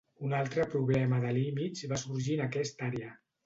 Un altre problema de límits va sorgir en aquesta àrea.